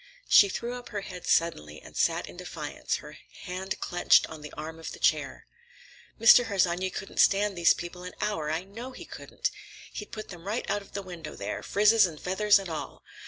She threw up her head suddenly and sat in defiance, her hand clenched on the arm of the chair. "Mr. Harsanyi couldn't stand these people an hour, I know he couldn't. He'd put them right out of the window there, frizzes and feathers and all.